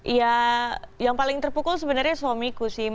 ya yang paling terpukul sebenarnya suamiku sih